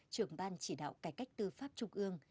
trưởng ban chỉ đạo cải cách tư pháp trung ương